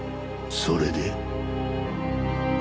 それで？